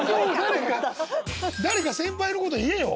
誰か先輩のこと言えよ！